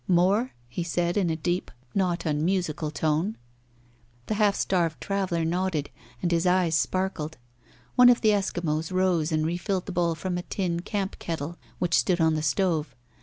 "More?" he said, in a deep, not unmusical, tone. The half starved traveller nodded, and his eyes sparkled. One of the Eskimos rose and re filled the bowl from a tin camp kettle which stood on the stove.